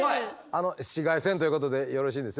あの紫外線ということでよろしいんですよね？